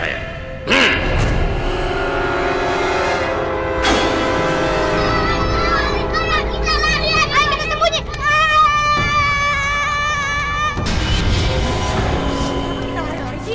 kadang kadang ter miraculous karenastan